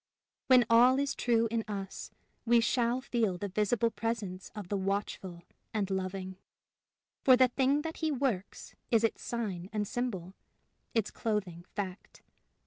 When all is true in us, we shall feel the visible presence of the Watchful and Loving; for the thing that he works is its sign and symbol, its clothing fact.